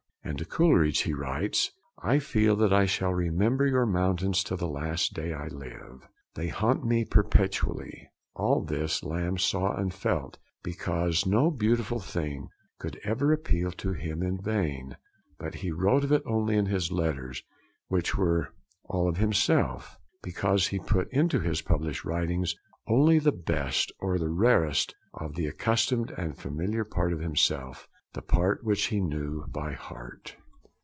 And to Coleridge he writes: 'I feel that I shall remember your mountains to the last day I live. They haunt me perpetually.' All this Lamb saw and felt, because no beautiful thing could ever appeal to him in vain. But he wrote of it only in his letters, which were all of himself; because he put into his published writings only the best or the rarest or the accustomed and familiar part of himself, the part which he knew by heart.